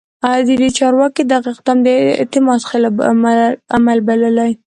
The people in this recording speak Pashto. چیني چارواکي دغه اقدام د اعتماد خلاف عمل بللی